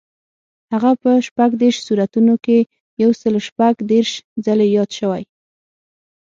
هغه په شپږ دېرش سورتونو کې یو سل شپږ دېرش ځلي یاد شوی.